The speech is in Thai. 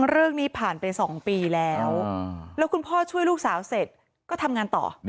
เรื่องนี้ผ่านไป๒ปีแล้วแล้วคุณพ่อช่วยลูกสาวเสร็จก็ทำงานต่อ